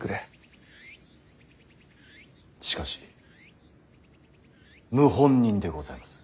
しかし謀反人でございます。